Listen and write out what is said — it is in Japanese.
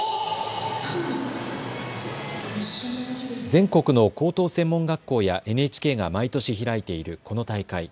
全国の高等専門学校やＮＨＫが毎年開いているこの大会。